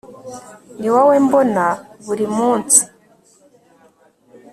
niwowe mbona buri munsi